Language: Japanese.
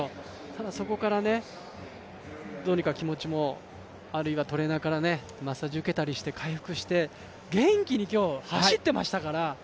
ただそこからどうにか気持ちも、あるいはトレーナーからマッサージを受けたりして回復して元気に今日、走ってましたから。